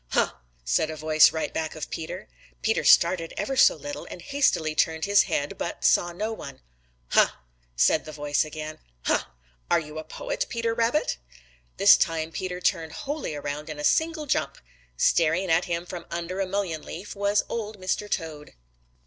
"Huh!" said a voice right back of Peter. Peter started ever so little and hastily turned his head, but saw no one. "Huh!" said the voice again. "Huh! Are you a poet, Peter Rabbit?" This time Peter turned wholly around in a single jump. Staring up at him from under a mullein leaf was Old Mr. Toad.